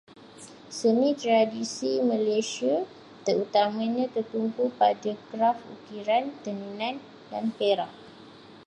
Seni tradisi Malaysia terutamanya tertumpu pada kraf ukiran, tenunan, dan perak.